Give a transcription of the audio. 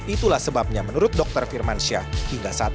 itulah sebabnya menurut dokter firmansyah